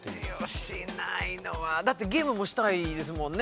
しないのはだってゲームもしたいですもんね